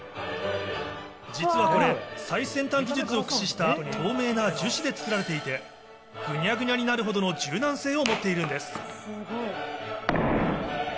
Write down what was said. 実はこれ、最先端技術を駆使した透明な樹脂で作られていて、ぐにゃぐにゃになるほどの柔軟性を持っているんです。